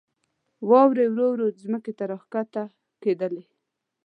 واورې ورو ورو ځمکې ته راکښته کېدلې.